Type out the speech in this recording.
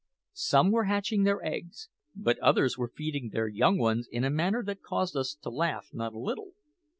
Some were hatching their eggs, but others were feeding their young ones in a manner that caused us to laugh not a little.